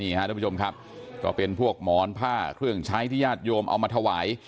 ท่านผู้ชมครับก็เป็นพวกหมอนผ้าเครื่องใช้ที่ญาติโยมเอามาถวาย